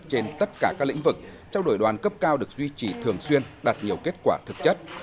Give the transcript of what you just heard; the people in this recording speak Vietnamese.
trên tất cả các lĩnh vực trao đổi đoàn cấp cao được duy trì thường xuyên đạt nhiều kết quả thực chất